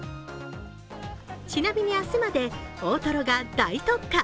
ちなみに明日まで大とろが大特価。